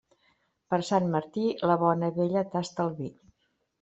Per Sant Martí, la bona vella tasta el vi.